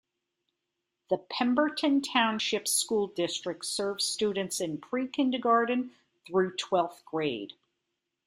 The Pemberton Township School District serves students in pre-kindergarten through twelfth grade.